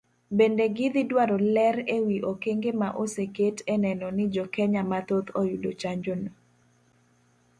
Bende gidhi dwaro ler ewi okenge ma oseket eneno ni jokenya mathoth oyudo chanjono.